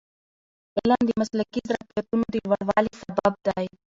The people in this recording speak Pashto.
علم د مسلکي ظرفیتونو د لوړوالي سبب دی.